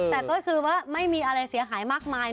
แต่ก็คือว่าไม่มีอะไรเสียหายมากมาย